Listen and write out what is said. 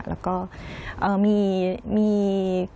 แล้วก็มี